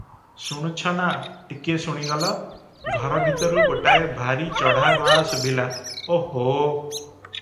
ଶୁଣୁଛ ନା – ଟିକିଏ ଶୁଣିଗଲ!” ଘର ଭିତରୁ ଗୋଟାଏ ଭାରି ଚଢ଼ା ଗଳା ଶୁଭିଲା, “ଓହୋ!